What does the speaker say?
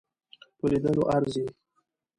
په لیدلو ارزي.